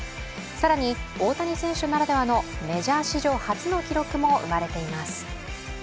更に大谷選手ならではのメジャー史上初の記録も生まれています。